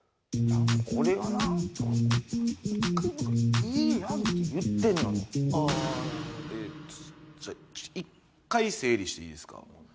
俺がないいやんって言ってんのにああなるほどえっじゃあ一回整理していいですか？